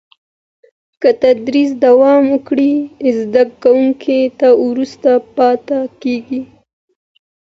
که تدریس دوام وکړي، زده کوونکی نه وروسته پاته کېږي.